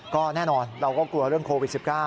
ก็แน่นอนเราก็กลัวเรื่องโควิด๑๙